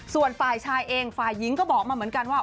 ส่วนฝ่ายชายเองฝ่ายหญิงก็บอกมาเหมือนกันว่า